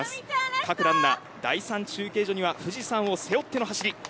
各ランナー、第３中継所には富士山を背負っての走りです。